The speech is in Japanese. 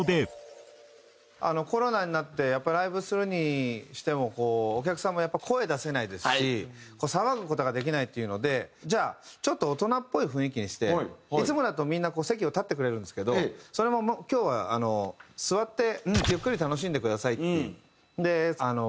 コロナになってやっぱりライブするにしてもこうお客さんは声出せないですし騒ぐ事ができないっていうのでじゃあちょっと大人っぽい雰囲気にしていつもだとみんなこう席を立ってくれるんですけどそれも「今日は座ってゆっくり楽しんでください」って。